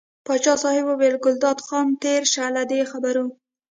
پاچا صاحب وویل ګلداد خانه تېر شه له دې خبرو.